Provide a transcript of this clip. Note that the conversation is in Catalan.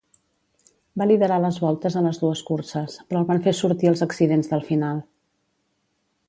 Va liderar les voltes a les dues curses, però el van fer sortir als accidents del final.